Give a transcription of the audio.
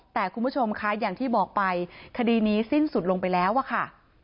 แต่คุณผู้ชมคะอย่างที่บอกไปคดีนี้สิ้นสุดลงไปแล้วอะค่ะ